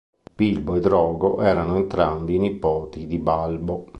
Bilbo e Drogo erano entrambi nipoti di Balbo.